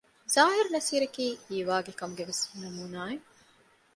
ޒާހިރު ނަޞީރަކީ ހީވާގި ކަމުގެވެސް ނަމޫނާއެއް